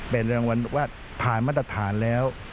เป็นรางวัลว่าผ่านมาตรฐานแล้ว